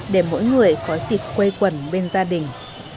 để mỗi người có dịp quê quẩn bên gia đình